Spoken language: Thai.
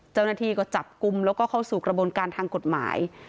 เจ้าหน้าที่ก็จับกลุ่มแล้วก็เข้าสู่กระบวนการทางกฎหมาย